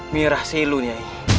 mirah selu nyai